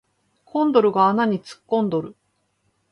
コンドルが穴に突っ込んどる